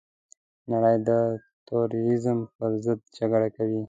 نړۍ د تروريزم پرضد جګړه کوي.